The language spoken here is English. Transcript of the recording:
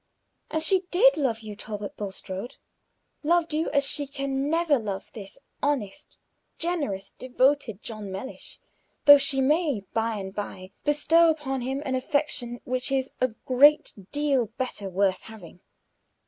And she did love you, Talbot Bulstrode loved you as she can never love this honest, generous, devoted John Mellish, though she may by and by bestow upon him an affection which is a great deal better worth having.